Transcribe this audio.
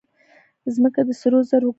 ځمکه د سرو زرو کان دی.